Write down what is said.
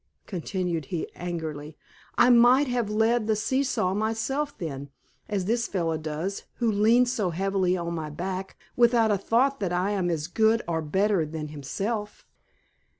continued he, angrily. "I might have led the see saw myself then, as this fellow does, who leans so heavily on my back, without a thought that I am as good or better than himself.